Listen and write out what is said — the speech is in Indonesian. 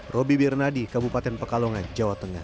roby bernadi kabupaten pekalongan jawa tengah